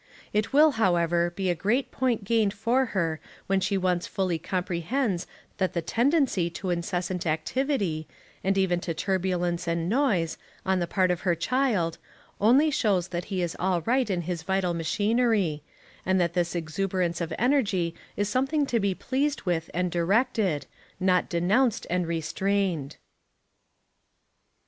It will, however, be a great point gained for her when she once fully comprehends that the tendency to incessant activity, and even to turbulence and noise, on the part of her child, only shows that he is all right in his vital machinery, and that this exuberance of energy is something to be pleased with and directed, not denounced and restrained.